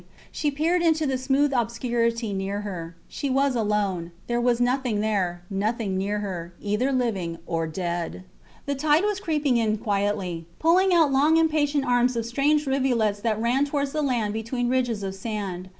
She peered into the smooth obscurity near her. She was alone. There was nothing there; nothing near her, either living or dead. The tide was creeping in quietly, putting out long impatient arms of strange rivulets that ran towards the land between ridges of sand.